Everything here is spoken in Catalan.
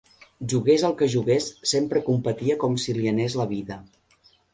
Jugués al que jugués, sempre competia com si li anés la vida.